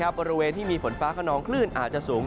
บริเวณที่มีฝนฟ้าขนองคลื่นอาจจะสูง